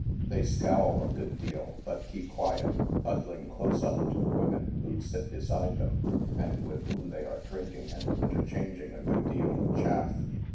They scowl a good deal, but keep quiet, huddling close up to the women who sit beside them, and with whom they are drinking and interchang ing a good deal of " chaff."